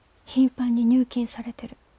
頻繁に入金されてる。